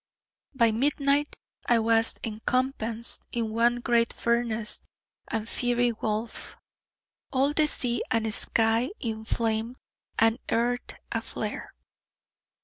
By midnight I was encompassed in one great furnace and fiery gulf, all the sea and sky inflamed, and earth a flare.